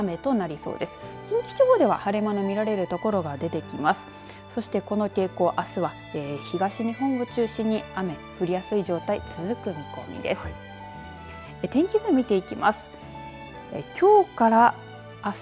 そして、この傾向あすは東日本を中心に雨、降りやすい状況続く見込みです。